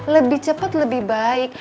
lebih cepat lebih baik